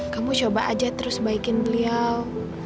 kamu coba aja terus baikin beliau